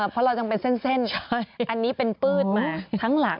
เพราะเราจำเป็นเส้นอันนี้เป็นปืดมาทั้งหลัง